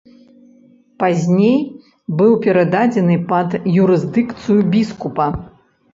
Пазней быў перададзены пад юрысдыкцыю біскупа.